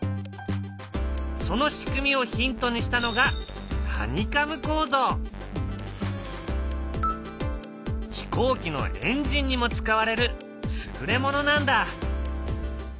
その仕組みをヒントにしたのが飛行機のエンジンにも使われる優れものなんだ。